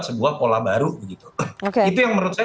sebuah pola baru itu yang menurut saya